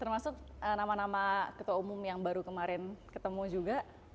termasuk nama nama ketua umum yang baru kemarin ketemu juga